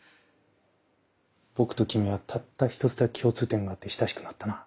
僕と君はたった１つだけ共通点があって親しくなったな。